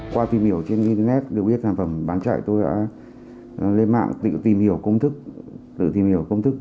qua tìm hiểu trên internet được biết sản phẩm bán chạy tôi đã lên mạng tự tìm hiểu công thức